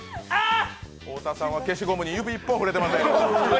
太田さんは消しゴムに指一本触れてません。